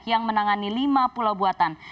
yang menangani lima pulau buatan